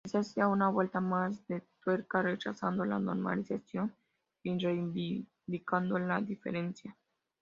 Quizás sea una vuelta más de tuerca, rechazando la normalización y reivindicando la diferencia.